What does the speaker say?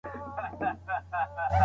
تاسو په نړۍ کي یو ځل پیدا سوي یاست.